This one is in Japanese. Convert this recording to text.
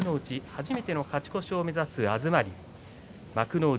初めての勝ち越しを目指す東龍幕内